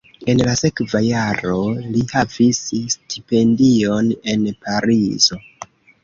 En la sekva jaro li havis stipendion en Parizo.